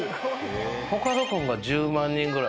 コカド君が１０万人ぐらい。